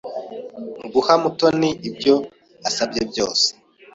Guha Mutoni ibyo asabye byose.